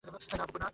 না, বুবু!